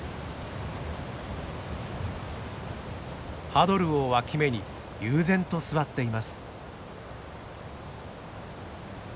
ハドルを脇目に悠然と座っています。